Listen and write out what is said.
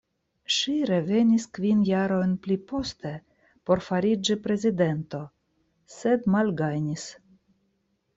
Ŝi revenis kvin jarojn pliposte por fariĝi prezidento sed malgajnis.